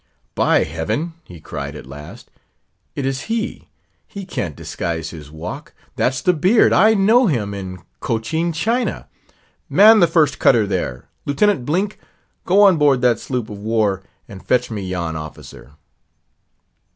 "By Heaven!" he cried at last—"it is he—he can't disguise his walk—that's the beard; I'd know him in Cochin China.—Man the first cutter there! Lieutenant Blink, go on board that sloop of war, and fetch me yon officer."